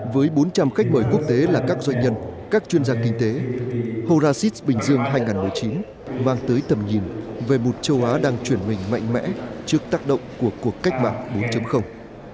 với bốn trăm linh khách mời quốc tế là các doanh nhân các chuyên gia kinh tế horacis bình dương hai nghìn một mươi chín mang tới tầm nhìn về một châu á đang chuyển mình mạnh mẽ trước tác động của cuộc cách mạng bốn